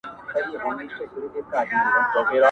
د ژوندون ساه او مسيحا وړي څوك~